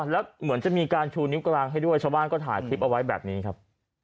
แล้วเหมือนจะมีการชูนิ้วกลางให้ด้วยชาวบ้านก็ถ่ายคลิปเอาไว้แบบนี้ครับ